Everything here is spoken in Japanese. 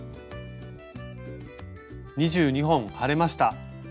２２本張れました。